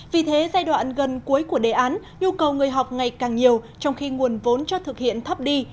vì thế giai đoạn gần cuối của đề án nhu cầu người học ngày càng nhiều trong khi nguồn vốn cho thực hiện thấp đi